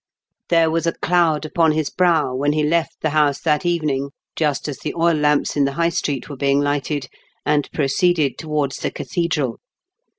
There was a cloud upon his brow when he left the house that evening, just as the oil lamps in the High Street were being lighted, and proceeded towards the cathedral.